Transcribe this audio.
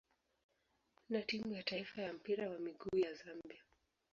na timu ya taifa ya mpira wa miguu ya Zambia.